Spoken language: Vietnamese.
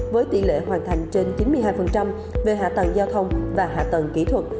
với tỷ lệ hoàn thành trên chín mươi hai về hạ tầng giao thông và hạ tầng kỹ thuật